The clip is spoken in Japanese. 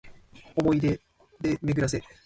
想おもい出で巡めぐらせ